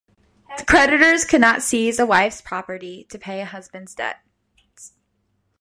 Creditors could not seize a wife's property to pay a husband's debts.